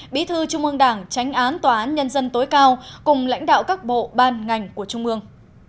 bí thư trung ương đảng tránh án tòa án nhân dân tối cao cùng lãnh đạo các bộ ban ngành của trung ương